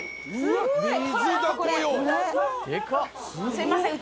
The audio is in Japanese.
すいません。